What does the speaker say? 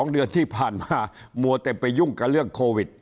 ๒เดือนที่ผ่านมามัวแต่ไปยุ่งกับเรื่องโควิด